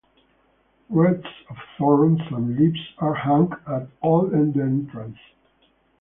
Wreaths of thorns and leaves are hung at all the entrances.